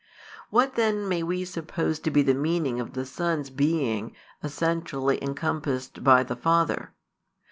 What then may we suppose to be the meaning of the Son's being "essentially encompassed by the Father?"